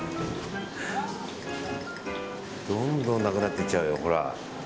どんどんなくなっていっちゃうよ。